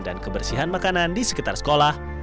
dan kebersihan makanan di sekitar sekolah